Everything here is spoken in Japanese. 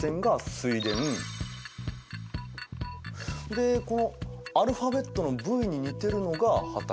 でこのアルファベットのＶに似てるのが畑。